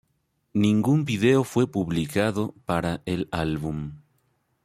Ningún vídeo fue publicado para el álbum.